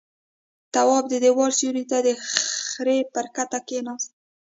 تواب د دېوال سيوري ته د خرې پر کته کېناست.